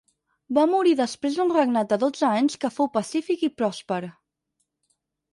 Va morir després d'un regnat de dotze anys que fou pacífic i pròsper.